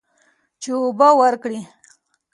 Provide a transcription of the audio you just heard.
چې اوبه ورکړه.